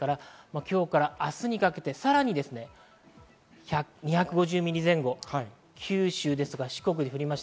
今日から明日にかけてさらに２５０ミリ前後、九州、四国で降ります。